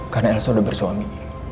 karena elsa udah bersuami